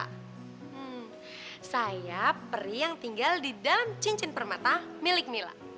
hmm saya peri yang tinggal di dalam cincin permata milik mila